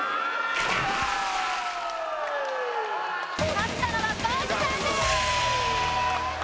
勝ったのはコージさんです。